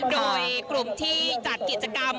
โดยกลุ่มที่จัดกิจกรรม